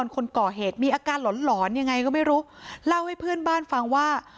คนก่อเหตุมีอาการหลอนหลอนยังไงก็ไม่รู้เล่าให้เพื่อนบ้านฟังว่า